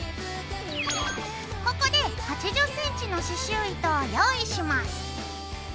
ここで８０ｃｍの刺しゅう糸を用意します。